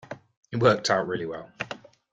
It worked out really well.